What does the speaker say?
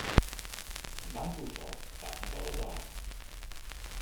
In bankoerfal bart net alle dagen.